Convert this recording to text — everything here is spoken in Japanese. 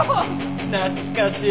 懐かしい。